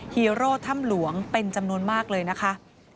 ฮีโร่ถ้ำหลวงเป็นจำนวนมากเลยนะคะ